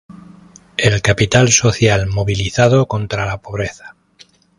El capital social movilizado contra la pobreza.